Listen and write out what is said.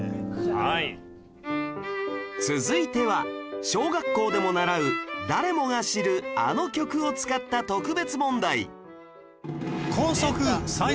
続いては小学校でも習う誰もが知るあの曲を使った特別問題